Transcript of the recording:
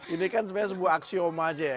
ini kan sebenarnya sebuah aksioma saja ya